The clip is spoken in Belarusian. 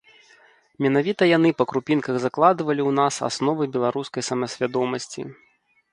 Менавіта яны па крупінках закладвалі ў нас асновы беларускай самасвядомасці.